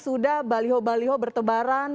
sudah baliho baliho bertebaran